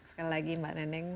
sekali lagi mbak neneng